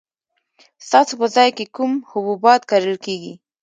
ستاسو په ځای کې کوم حبوبات کرل کیږي؟